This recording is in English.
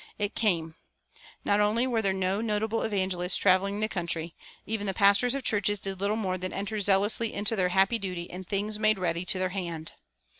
It came. Not only were there no notable evangelists traveling the country; even the pastors of churches did little more than enter zealously into their happy duty in things made ready to their hand.